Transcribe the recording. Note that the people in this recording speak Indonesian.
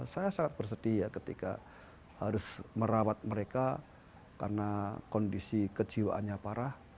saya sangat bersedih ya ketika harus merawat mereka karena kondisi kejiwaannya parah